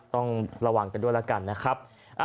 ต้องระวังกันด้วยแล้วกันนะครับ